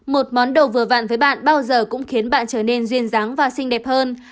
một món đồ vừa vạn với bạn bao giờ cũng khiến bạn trở nên duyên dáng và xinh đẹp hơn